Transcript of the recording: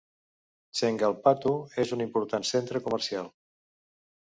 Chengalpattu és un important centre comercial.